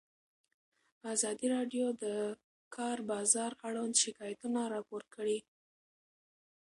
ازادي راډیو د د کار بازار اړوند شکایتونه راپور کړي.